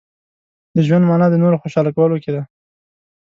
• د ژوند مانا د نورو خوشحاله کولو کې ده.